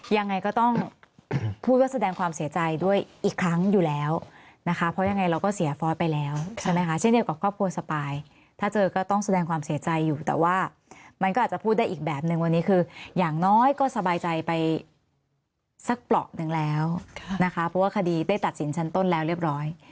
ยังไงก็ต้องพูดว่าแสดงความเสียใจด้วยอีกครั้งอยู่แล้วนะคะเพราะยังไงเราก็เสียฟอสไปแล้วใช่ไหมคะเช่นเดียวกับครอบครัวสปายถ้าเจอก็ต้องแสดงความเสียใจอยู่แต่ว่ามันก็อาจจะพูดได้อีกแบบหนึ่งวันนี้คืออย่างน้อยก็สบายใจไปสักเปราะหนึ่งแล้วนะคะเพราะว่าคดีได้ตัดสินชั้นต้นแล้วเรียบร้อย